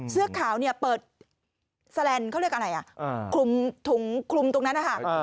เสื้อขาวเปิดพันธุ์อย่างนี้คลุมตรงนั้น